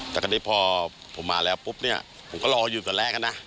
แต่คราวนี้พอผมมาแล้วปุ๊บเนี่ยผมก็รออยู่วันแรกนะ